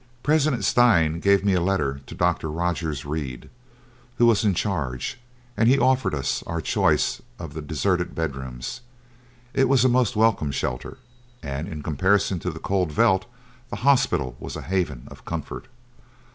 President Steyn gave me a letter to Dr. Rodgers Reid, who was in charge, and he offered us our choice of the deserted bedrooms. It was a most welcome shelter, and in comparison to the cold veldt the hospital was a haven of comfort.